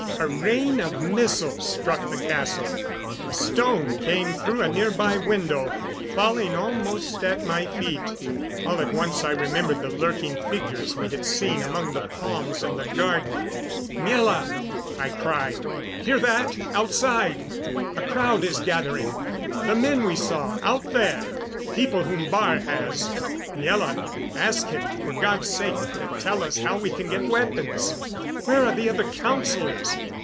A rain of missiles struck the castle; a stone came through a near by window, falling almost at my feet. All at once I remembered the lurking figures we had seen among the palms in the garden. "Miela!" I cried. "Hear that, outside! A crowd is gathering. The men we saw out there! People whom Baar has Miela, ask him, for God's sake, to tell us how we can get weapons. Where are the other councilors?